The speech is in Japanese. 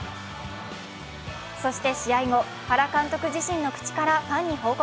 そして試合後、原監督自身の口からファンに報告。